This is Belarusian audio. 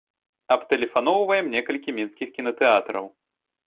Абтэлефаноўваем некалькі мінскіх кінатэатраў.